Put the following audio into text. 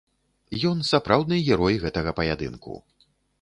Ён сапраўдны герой гэтага паядынку.